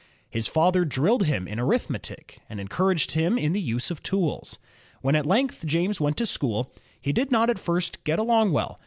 His father drilled him in arithmetic and encouraged him in the use of tools. When at length James went to school, he did not at first get along well.